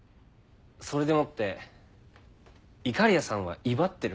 それでもっていかりやさんは威張ってる。